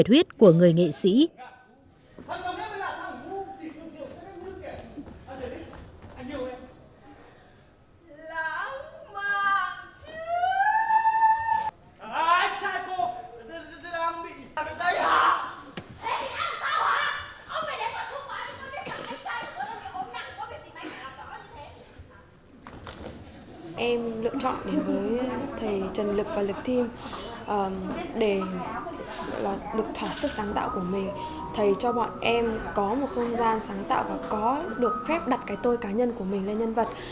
thầy cho bọn em có một không gian sáng tạo và có được phép đặt cái tôi cá nhân của mình lên nhân vật